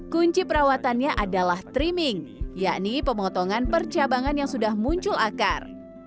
kunci perawatannya adalah trimming yakni pemotongan percabangan yang sudah muncul akar